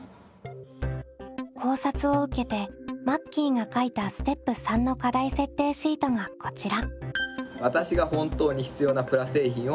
考察を受けてマッキーが書いたステップ③の課題設定シートがこちら。